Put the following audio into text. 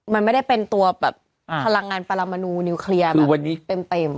มันไม่ได้เป็นตัวแบบพลังงานปารามนูนิวเคลียร์เต็ม